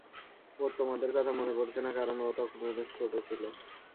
ওর তোমাদের কথা মনে পড়ছে না কারণ ও তখন অনেক ছোট ছিল।